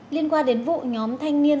liên quan đến vụ nhóm thanh niên